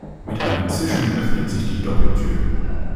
Mit einem Zischen öffnet sich die Doppeltür.